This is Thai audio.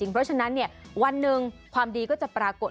เพราะฉะนั้นวันหนึ่งความดีก็จะปรากฏ